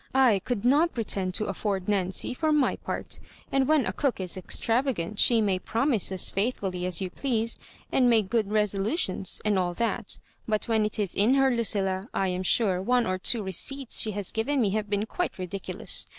/ could not pretend to afford Nancy for my part; and when a cook is extravagant she may promise as faithful ly as you please, and make good resolutions, and all that; but when it is in her, Lucilla — ^I am sure one or two receipts she has given me have been quite ridiculous.